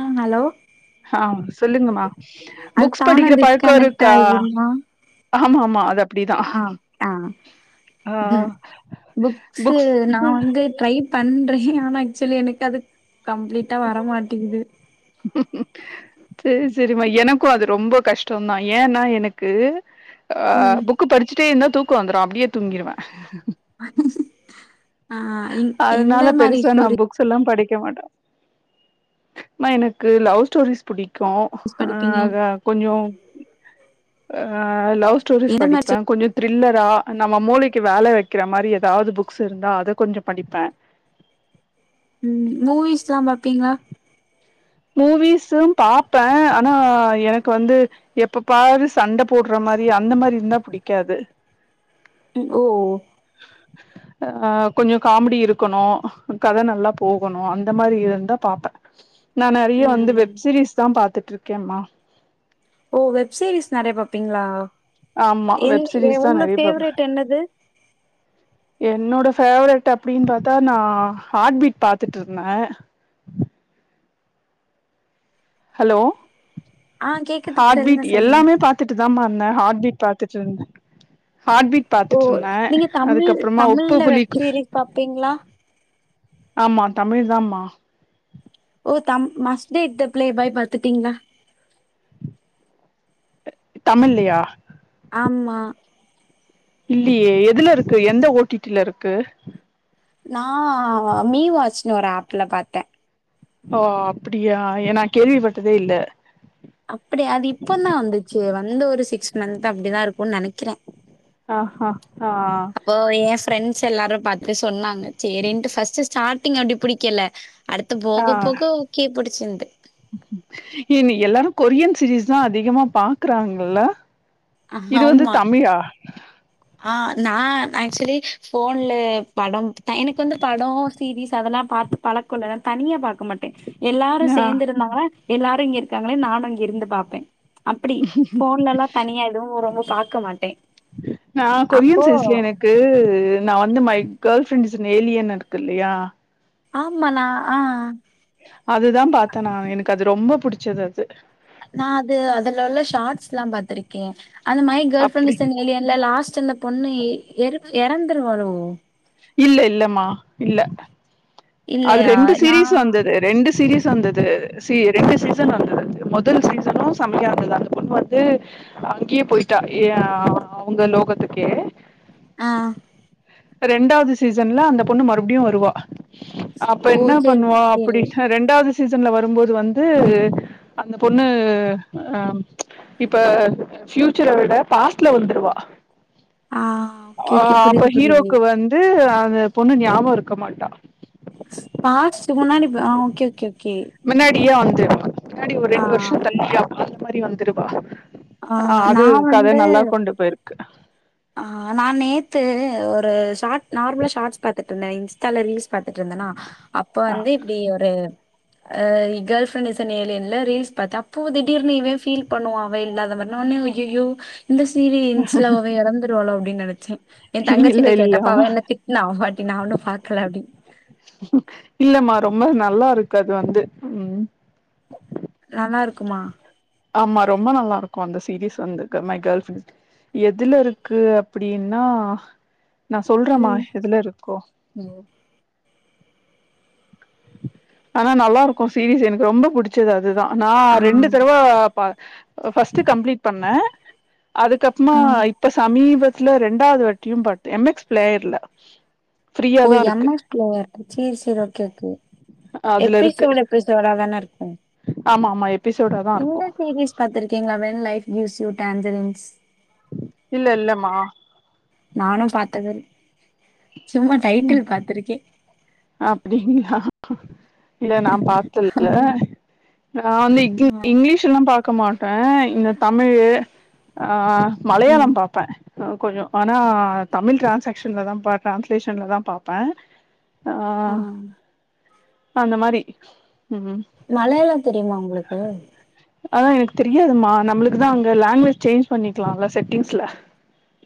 ஆ hello ஆ சொல்லுங்கம்மா அது புக்ஸ் தானா படிக்கிற பழக்கோ டிஸ்கனெக்ட் இருக்கா ஆகுதுமா ஆமா ஆமா அது அப்டிதா ஆ ஆ ஆ ம் புக்ஸ் நா வந்து டரை பண்றே ஆனா ஆக்சுவலி எனக்கு அது கம்ப்ளீட்டா வரமாட்டிங்குது உ ம் சரி சரிமா எனக்கு அது ரொம்ப கஷ்டம்தா ஏன்னா எனக்கு ஆ ம் புக் படிச்சுட்டே இருந்தா தூக்கோ வந்துடு அப்டியே தூங்கிடுவே ஆ எந்த அதனால மாரி பெருசா நா ஸ்டோரி புக்ஸ் எல்லா படிக்க மாட்டே எம்மா எனக்கு லவ் ஸ்டோரிஸ் புடிக்கு படிப்பீங்க அத கொஞ்சோ அ லவ் ஸ்டோரிஸ் எந்த மாரி படிப்பே ஸ்டோ கொஞ்சோ த்ரில்லரா நம்ம மூளைக்கு வேலை வக்கிற மாரி ஏதாவது புக்ஸ் இருந்தா அத கொஞ்சம் படிப்பே ம் மூவிஸ் எல்லா பாப்பீங்ளா மூவிஸும் பாப்பே ஆனா எனக்கு வந்து எப்ப பாரு சண்டை போடுற மாரி அந்த மாரி இருந்தா பிடிக்காது ஓ அ கொஞ்சோ காமெடி இருக்கணு கதை நல்லா போகணு அந்த மாரி இருந்தா பாப்பே நா நெறைய வந்து ம் வெப்சீரிஸ் தா பாத்துட்டு் இருக்கேமா ஓ வெப் சீரீஸ் நெறைய பாப்பீங்களா ஆமா வெப் சீரிஸ் தா உங்க நெறைய பாப்பே ஃபேவரேட் என்னது என்னோட ஃபேவரெட் அப்டின் பாத்தா நா ஹார்ட்பீட் பாத்துட்டு இருந்தே ஹலோ ஆ கேக்குது சொல்லுங்க ஹார்ட்பீட் சொல்லுங்க எல்லாமே பாத் பாத்துட்டு தா மா இருந்தே ஹார்ட்பீட் பாத்துட்டு இருந்தே ஹார்ட்பீட் ஓ பாத்துட்டு இருந்தே நீங்க தமிழ் அதுக்கப்புறமா உப்பு தமிழ்ல வெப் புளிப்பு சீரிஸ் பாப்பீங்களா ஆமா தமிழ் தா மா ஓ தம் மஸ்ட்டேக் த பிளே பாய் பாத்துட்டீங்ளா தமிழ்லயா ஆமா இல்லயே எதுல இருக்கு எந்த ஓடிட்டில இருக்கு நா மீ வாட்ச்னு ஒரு ஆப்ல பாத்தே ஓ அப்டியா ஏ நா கேள்விப்பட்டதே இல்ல அப்டியா அது இப்ப தா வந்துச்சு வந்து ஒரு சிக்ஸ் மந்த் அப்டிதா இருக்கும்னு நெனைக்கிறே ஹ ஹ ஹா இப்போ என் ஃப்ரெண்ட்ஸ் எல்லாரு பாத்து சொன்னாங்க சரின்ட்டு ஃபஸ்ட் ஸ்டார்டிங் அப்டி பிடிக்கல அடுத்து போக போக ஓகே பிடிச்சிருந்து இன்னைக்கு எல்லாரு கொரியன் சீரீஸ் தான் அதிகமா பாக்குறாங்கல்ல இது வந்து ஆமா தமிழா ஆ நா ஆக்சுவலி ஃபோன்லயே படம் எனக்கு வந்து படோ சீரிஸ் அதெல்லா பாத்து பழக்க இல்லல தனியா பாக்க மாட்டே எல்லாரு ஆ சேந்து இருந்தாங்கான எல்லாரு இங்க இருக்காங்களே நானு அங்க இருந்து பாப்பே அப்டி போன்லல்லா தனியா எதுவு ரொம்ப பாக்க மாட்டே அப்போ பேரூர் நா வந்து மை கேர்ள் ஃப்ரெண்ட்ஸ்னு ஏலியன் இருக்கு இல்லயா ஆமானா ஆ அதுதா பாத்தேன் நா எனக்கு அது ரொம்ப புடிச்சது அது நா அது அதுல உள்ள ஷார்ட்ஸ் எல்லாம் பாத்திருக்கே அந்த மாரி கேர்ள் அப்டி ஃப்ரெண்ட்ஸ் வெளிய இல்ல லாஸ்ட்டு அந்த பொண்ணு எற எறந்துரு வாருங்க இல்ல இல்லமா இல்ல அது இல்லையா? ரெண்டு நான் சீரீஸ்ஸா வந்தது ரெண்டு சீரீஸ் வந்தது சி ரெண்டு சீசன் வந்தது முதல் சீசனு சமையா இருந்தது அந்த பொண்ணு வந்து அங்கேயே போயிட்டா ஏ அவங்க லோகத்துக்கே ஆ ரெண்டாவது சீசன்ல அந்த பொண்ணு மறுபடியு வருவா அப்ப ஓ! என்னா சரி, பண்ணுவா சரி. அப்படி ரெண்டாவது சீசன்ல வரும்போது வந்து அந்த பொண்ணு அம் இப்ப ஃயூச்சரை விட பாஸ்ட்ல வந்துடுவா ஆ ஆ ஓகே, ஓகே. அப்ப புரியுது, புரியுது. ஹீரோக்கு வந்து அந்த பொண்ணு ஞாபக இருக்க மாட்டா பாஸ்ட்டு முன்னாடி ஆ ஓகே ஓகே ஓகே முன்னாடியே வந்துடுவா முன்னாடி ஒரு ஆ ரெண்டு வருஷ தள்ளி அந்த மாரி வந்துடுவா ஆ நா அது கத வந்து நல்லா கொண்டு போயிருக்கு ஆ நா நேத்து ஒரு ஷார்ட் நார்மலா ஷார்ட்ஸ் பாத்துட்ருந்தே இன்ஸ்டால ரீல்ஸ் பாத்துட்ருந்தனா அப்போ வந்து இப்டி ஒரு ஆ கேள்ஃப்ரண்ட்ஸ் இன் ஏலியன்ல ரீல்ஸ் பாத்த அப்போ திடீர்னு இவ ஃபீல் பண்ணுவா அவ இல்லாத மாரி ஒன்னே ஐய்யய்யோ இந்த சீரியன்ஸ்ல அவ எறந்துருவாளோ அப்டின்னு நெனைச்சே ஏ இல்ல தங்கச்சீட்ட இல்ல கேட்டப்ப அவ ஆமா என்ன திட்னா ஒரு வாட்டி நா ஒண்ணு பாக்கல அப்டின் இல்லமா ரொம்ப நல்லா இருக்கு அது வந்து ம் நல்லா இருக்குமா ஆமா ரொம்ப நல்லா இருக்கு அந்த சீரிஸ் வந்து க மை கேர்ள் ப்ரண் எதுல இருக்கு அப்படின்னா நா சொல்றேமா ம் எதுல இருக்கோ ஆனா நல்லா இருக்கு சீரிஸ் எனக்கு ரொம்ப புடிச்சது அதுதா நா ஆ ரெண்டு தடவ ப்பா பஸ்ட்டு கம்ப்ளீட் பண்ணே அதுக்கப்புறமா ஆ இப்ப சமீபத் துல ரெண்டாவது வாட்டியு பாத்த எம் எக்ஸ் பிளேயர்ல ஃப்ரீயா ஓ தா எம் இருக்கு எக்ஸ் ப்ளேயர் சீரிஸ் எதா கேக்கு அதுல இருக்கு எப்பிசோட் எப்பிசோடா தான இருக்கு ஆமா ஆமா எபிசோட தா இருக்கு இந்த சீரீஸ் பாத்திருக்கீங்களா வென் லைஃப் கியூூஸ் டான்ஜரிஸ் இல்ல இல்லம்மா நானு பாத்தது சும்மா ம் டைட்டில் பாத்திருக்கே அப்டிங்களா இல்ல நா பாத்ததில்ல நா வந்து இங் இங்கிலீஷ்ல்லா பாக்க மாட்டே இந்த தமிழு ஆ ம் மலையாளம் பாப்பே கொஞ்ச ஆனா தமிழ் டிரான்சாக்ஸன்ல தா பாக்கலா சேஸன்ல தா பாப்பே ஆ அந்த மாரி ம் மலையாளம் தெரியுமா உங்களுக்கு அதலா எனக்கு தெரியாதுமா நம்மளுக்கு தா அங்க லாங்குவேஜ் சேஞ்ச் பண்ணிக்கலாம்ல செட்டிங்ஸ்ல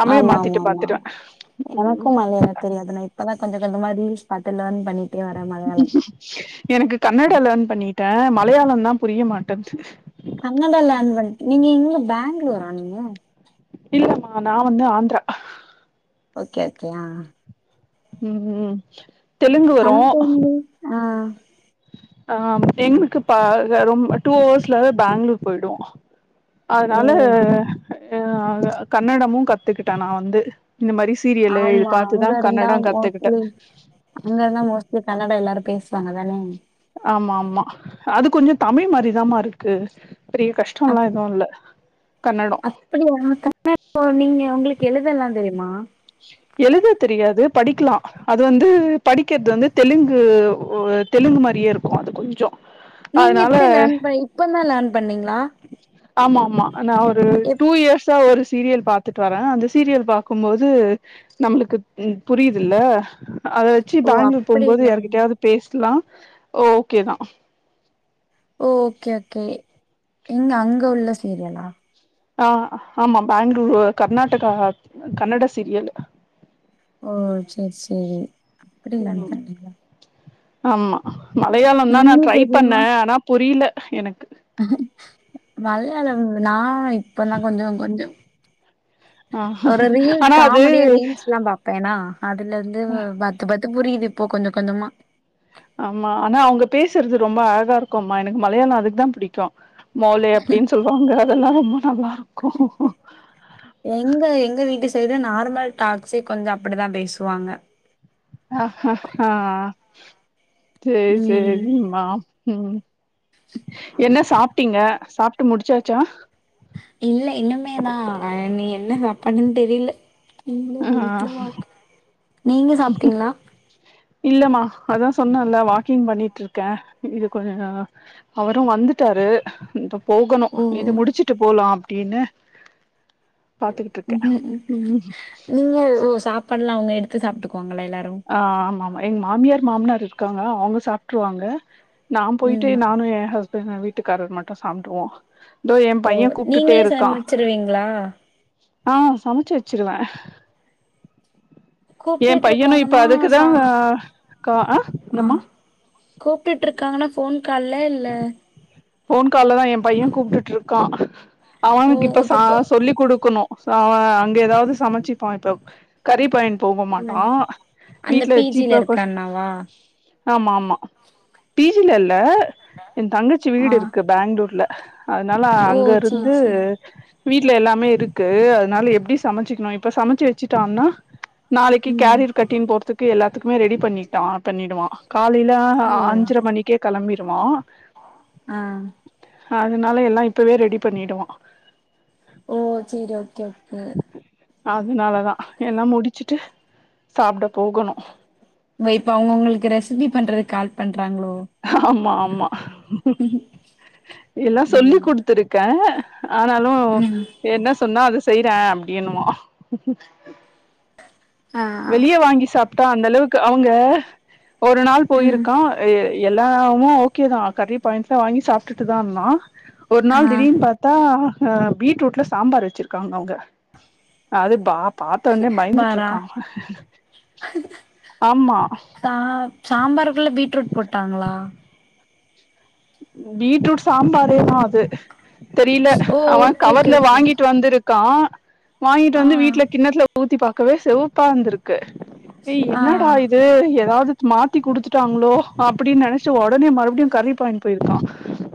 தமிழ ஆமா ஆமா மாத்திட்டு ஆமா பாத்துருவே ஆ எனக்கு ம் மலையாள தெரியாது நை அப்பதா கொஞ்ச கொஞ்சமா ரீல்ஸ் பாத்து லேன் பண்ணி ட்டு வர மாரிதா எனக்கு கன்னடா லேர்ன் பண்ணிட்டே மலையாளந்தா புரிய மாட்டந்து கன்னடா லேன் பண்ண நீங்க இங்க பெங்களூர் ஆ நீங்க இல்லமா நா வந்து ஆந்த்ரா ஓகே ஓகே ஆ ம் ம் தெலுங்கு வரு சமப்ப இங்கே ஆ ஆ எங்களுக்கு பா ரொம்ப டூ ஹர்ஸ்ல பெங்களூர் போய்டு ஓ அதனால அ கன்னடமு கத்துக்கிட்டே நா வந்து இந்த மாரி சீரியலு இது ஆமா பாத்துதா இருந்தா கன்னடோ கத்துக்கிட்டே மோஸ்ட்லி அங்க அங்க மோஸ்ட்லி கன்னடா எல்லாரு பேசுவாங்க தானே ஆமா ஆமா அது கொஞ்சோ தமிழ் மாரிதாம இருக்கு பெரிய கஷ்டோ எல்லா எதுவு இல்ல கன்னடோ இப்ப நீங்க உ கன்னடோ நீங்க உங்களுக்கு எழுத எல்லா தெரியுமா எழுதத் தெரியாது படிக்கலா அது வந்து படிக்கிறது வந்து தெலுங்கு தெலுங்கு மாரியே இருக்கு அது கொஞ்சோ நீங்க அதனால எப்டி லேர்ன் ப இப்ப தா லேர்ன் பண்ணீங்களா ஆமா ஆமா நா ஒரு எப் டூ இயர்ஸா ஒரு சீரியல் பாத்துட்டு வரே அந்த சீரியல் பாக்கும்போது நம்ளுக்கு புரியுதுல்ல அத வச்சு ஓ பேங்களூர் அப்படி போம்போது லேர்ன் யார்கிட்டயாவது பேசலா ஓகே தா ஓ ஓகே ஓகே எங்க அங்க உள்ள சீரியலா ஆ ஆமா பெங்களூரு கர்நாடகா கன்னட சீரியலு ஓ செரி செரி அப்டி லெர்ன் ம் பண்ணிரலா ஆமா மலையாளந்தா நா ஹிந்தி ட்ரை தெரியுமா பண்ணே ஆனா புரியல எனக்கு மலையாளம் நா இப்ப தா கொஞ்சோ கொஞ்சோ ஆ ஒரு ரீல்ஸ் ஆனா அது காமெடியா ரீல்ஸ் எல்லா பாப் ப்பேன்னா அதுல இருந்து பத்து பத்து புரியுது இப்போ கொஞ்ச கொஞ்சமா ஆமா ஆனா அவங்க பேசுறது ரொம்ப அழகா இருக்கும்மா எனக்கு மலையாளம் அதுக்கு தா புடிக்கு மோலே அப்டின் சொல்வாங்க அதெல்லா ரொம்ப நல்லா இருக்கு எங்க எங்க வீட்டு சைடு நார்மல் டாக்ஸே கொஞ்ச அப்டித்தா பேசுவாங்க அஹ் அஹ் அ செரி ம் செரிம்மா ம் என்ன சாப்டீங்க சாப்டு முடிச்சாச்சா இல்ல இன்னிமே தா அ நீ என்ன சாப்பான்னு தெரியல இந்த ஆ வீட்ல வாக் நீங்க சாப்பிட்டீங்களா இல்லமா அதா சொன்னேல்ல வாக்கிங் பண்ணிட்டு இருக்கே இது கொஞ்ச அவரு வந்துட்டாரு இந்த போகணு ஓ இது முடிச்சுட்டு போலா அப்டின்னு பாத்துக்கிட்ருக்கே ம் ம் நீங்க ஓ சாப்பாடுல்லா அவங்க எடுத்து சாப்பிட்டுக்குவாங்களா எல்லாரு ஆ ஆமாமா எங்க மாமியார் மாமனார் இருக்காங்க அவங்க சாப்பிட்டுருவாங்க நா போயிட்டு ம் நானு எ ஹஸ்பண்ட் வீட்டுக்காரர் மட்டு சாப்பிடுவோ இதோ எ ஓ பையன் கூப்பிட்டுட்டே நீங்களே இருக்கா சமைச்சிருவீங்களா ஆ சமைச்சு வச்சிருவே ஏ கூப்பிட்டு பையனு இருக்காங்க இப்ப அதுக்குதா க ஆ என்னம்மா கூப்டுட்டு இருக்காங்கன்னா ஃபோன் கால்ல இல்ல ஃபோன் கால்ல தா எ பையன் கூப்டுட்டு இருக்கா ஓ அவனுக்கு இப்ப சா இப்பப்போ சொல்லிக் குடுக்கணு ச அவ அங்க ஏதாவது சமச்சிப்பா இப்ப கறி பயன் போக மாட்டோ ம் அந்த வீட்ல பி வச்சு ஜி ல இப்ப கொ இருக்க அண்ணாவா ஆமா ஆமா பி ஜி ல இல்ல என் தங்கச்சி ஆ வீடு இருக்கு பேங்ளூர்ல அதனால ஓ அங்க சேரி இருந்து சேரி வீட்ல எல்லாமே இருக்கு அதனால எப்டி சமைச்சுக்குணு இப்ப சமச்சு வெச்சுடோனா நாளைக்கு ம் கேரியர் கட்டின் போறதுக்கு எல்லாத்துக்குமே ரெடி பண்ணிட்டோ ஆப் பண்ணிடுவான் காலைல ஆ அஞ்சர மணிக்கே கெளம்பிருவான் அ அதனால எல்லா இப்பவே ரெடி பண்ணிடுவான் ஓ சேரி ஓகே ஓகே அதுனாலதா ஏனா முடிச்சுட்டு சாப்ட போகணு இப்ப அவுங்க உங்களுக்கு ரெசிபி பண்றதுக்கு கால் பண்றாங்ளோ ஆமா ஆமா எல்லா சொல்லி ம் குடுத்துரு க்கே ஆனாலு ம் என்ன சொன்னா அது செய்ற அப்டின்னுவா ஆ ஆ வெளிய வாங்கி சாப் டா அந்த அளவுக்கு அவுங்க ஒரு நாள் ம் போயிருக்கான் எல்லாமு ஓகேதா கறி பாயிண்ட்ல வாங்கி சாப்டுட்டுதா இருந்தா ஒரு ஆ நாள் திடீனு பா த்தா பீட்ரூட்ல சாம்பார் வெச்சிருக்காங்க அவுங்க அது பா பாத்த ஒன்னே சாம்பாரா பயந்துட்ருக்கான் ஆமா சாம்பார்க்குள்ள பீட்ரூட் போட்டாங்ளா பீட்ரூட் சாம்பாரேதா அது தெரில ஓ அவன் ஓகே ஓகே கவர்ல ஓகே வாங்கிட்டு வந்திரு க்கான் வாங்கிட்டு ஆ வந்து வீட்ல கிண்ணத்துல ஊத்தி பாக்கவே செவப்பா இந்திருக்கு ஏ ஆ என்னடா இது எதாவது மாத்தி குடுத்துட்டாங்ளோ அப்டின்னு நினைச்சுட்டு ஒடனே மறுபடியு கறி பாயின்ட்டு போயிருக்கான்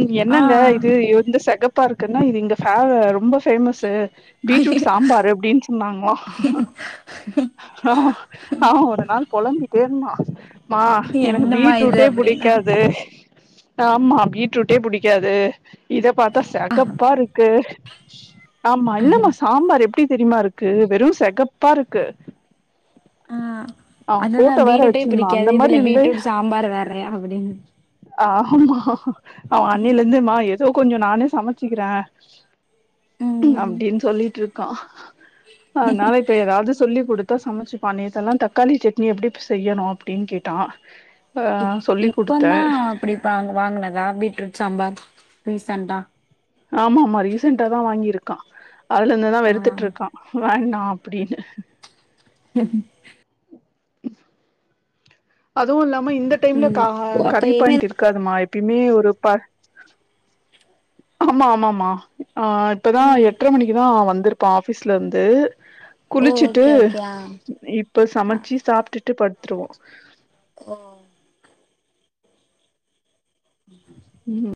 ம் ஆ என்னங்க இது இது வந்து செகப்பா இருக்குன்னா இது இங்க ஃப ரொம்ப ஃபேமஸ்சு பீட்ரூட் சாம்பார் அப்டின்னு சொன்னாங்ளா ஆ ஆ ஒரு நாள் புழம்பிட்டே இருந்தான் மா எனக்கு என்னமா இது பீட்ரூட்டே அப்டின்னா புடிக்காது ஆமா பீட்ரூட்டே புடிக்காது இத பாத்தா செகப்பா இருக்கு ஆமா இல்லமா சாம்பார் எப்டி தெரிமா இருக்கு வெறு செகப்பா இருக்கு ஆ அவ அதுதா போட்டோ வேற பீட்ரூட்டே வச்சிருந்தா பிடிக்காது அந்த மாரி இதுல இருந்தா பீட்ரூட் சாம்பார் வேறயா அப்டின்னு ஆமா அவன் அண்ணேலந்து மா ஏதோ கொஞ்சோ நானே சமச்சிக்குற ம் அப்டின்னு சொல்லிட்டு இருக்கான் அதனால இப்ப எதாவது சொல்லி குடு த்தா சமச்சுப்பான் நேத்தெல்லா தக்காளி சட்னி எப்டி செய்யணு அப்டின்னு கேட்டான் அ இப் சொல்லி் குடுத்த இப்பந்தா அப்டி வாங் வாங்குனதா பீட்ரூட் சாம்பார் ரீசண்டா ஆமாமா ரீசன்டாதா வாங்கிருக்கான் அதுல இருந்துதா வெறுத்துட்டு ஆ இருக்கான் வேண்டா அப்டின்னு ஹ அதுவு இல்லாம இந்த டைம்ல கா ம் ஓ அப்ப கறி இனிமே பாயின்ட்டு இரு க்காதுமா எப்யுமே ஒரு ப ஆமா ஆமாமா ஆ இப்தா ம் எட்ற மணிக்குதா வந்திருப்பான் ஆஃபீஸ்லந்து ஓ குளிச்சிட்டு ஓகே ஓகே ஆ இப்ப சமச்சு சாப்டுட்டு படுத்துருவோ ஓகே ம்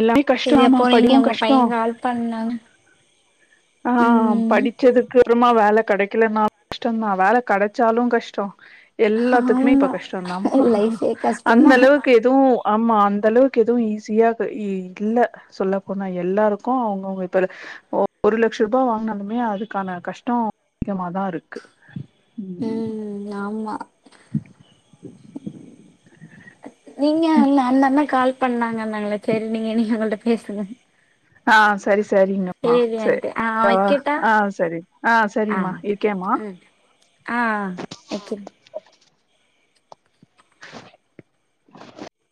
எல்லாமே செரி கஷ்டோமா அப்போ நீங்க படிப்பு உங்க கஷ்டோ பையன் கால் பண்ணாங்க ஆ ம் படி ச்சதுக்கு அப்றமா வேல கெடைக்கலனாலு கஷ்டந்தா வேல கெடச்சாலு கஷ்டோ எல்லாத்துக்குமே இப்ப ஆமா கஷ்டோந்தான்பா லைஃபே அந்த கஷ்டந்தா அளவுக்கு எதுவு ஆமா அந்த அளவுக்கு எதுவு ஈஸியா இல்ல சொல்லப் போனா எல்லாருக்கு அவுங்கவுங்க இப்ப ஒரு லட்ச ரூபா வாங்குனாலுமே அதுக்கான கஷ்டோ [inaudible] திகமாதா இருக் ம் ஆமா நீங்க இல்ல அந்த அண்ண கால் பண்ணாங்கன்னாங்களே செரி நீங்க நீங்க அவுங்கள்ட்ட பேசுங்க ஆ சரி சரிங்கம்மா சேரி சேரின்ட்டு ஆ இதோ வைக்கட்டா ஆ சரி ஆ சரிம்மா இருக்கேம்மா ம் ஆ வக்கிற